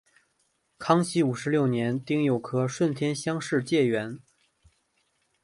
康熙五十六年丁酉科顺天乡试解元。